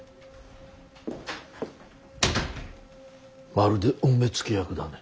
まるでお目付け役だね。